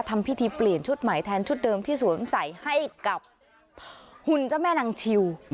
ทำพิธีเปลี่ยนชุดใหม่แทนชุดเดิมที่สวมใส่ให้กับหุ่นเจ้าแม่นางชิว